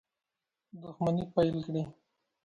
دښمني پیل کړي.